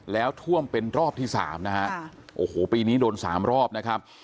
แล้วท่วมเป็นรอบที่สามนะฮะโอ้โหปีนี้โดนสามรอบนะครับ